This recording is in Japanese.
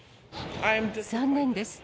残念です。